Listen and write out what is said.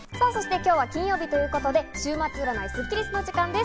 今日は金曜日ということで週末占いスッキりすの時間です。